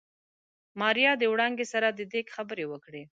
ماريا د وړانګې سره د ديګ خبرې وکړې.